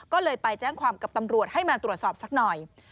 ก็เลยไปแจ้งความกับตำรวจให้มาตรวจสอบสักหน่อย